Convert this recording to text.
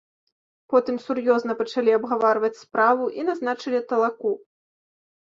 Потым сур'ёзна пачалі абгаварваць справу і назначылі талаку.